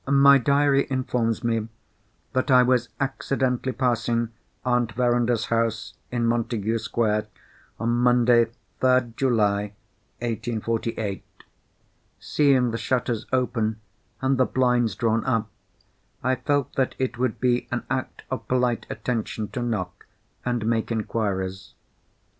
] My diary informs me, that I was accidentally passing Aunt Verinder's house in Montagu Square, on Monday, 3rd July, 1848. Seeing the shutters opened, and the blinds drawn up, I felt that it would be an act of polite attention to knock, and make inquiries.